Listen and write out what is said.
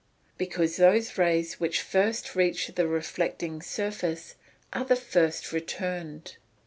_ Because those rays which first reach the reflecting surface are the first returned.